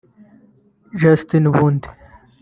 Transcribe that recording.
Justin Bundi